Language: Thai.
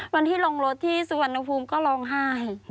วันที่ลงรถที่สุวรรณภูมิก็ร้องไห้